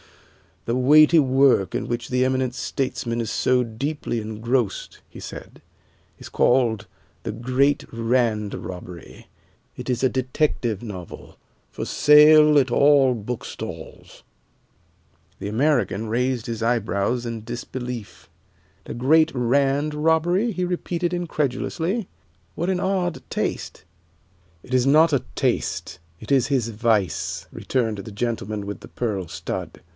"The weighty work in which the eminent statesman is so deeply engrossed," he said, "is called 'The Great Rand Robbery.' It is a detective novel, for sale at all bookstalls." The American raised his eyebrows in disbelief. "'The Great Rand Robbery'?" he repeated incredulously. "What an odd taste!" "It is not a taste, it is his vice," returned the gentleman with the pearl stud.